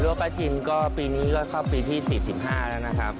หลัวปลาทิมก็ปีนี้ก็เข้าปีที่สิบสิบห้าแล้วนะครับ